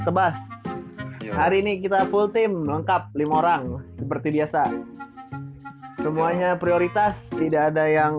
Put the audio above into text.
tebas hari ini kita full team lengkap lima orang seperti biasa semuanya prioritas tidak ada yang